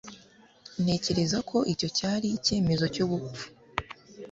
Ntekereza ko icyo cyari icyemezo cyubupfu